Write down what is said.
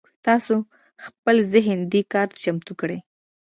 تاسې خپل ذهن دې کار ته چمتو کړئ.